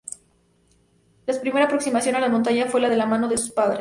La primera aproximación a las montañas fue de la mano de sus padres.